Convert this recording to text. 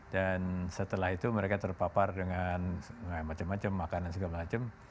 dan setelah itu mereka terpapar dengan macam macam makanan segala macam